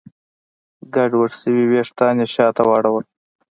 ګډوډ شوي وېښتان يې شاته واړول.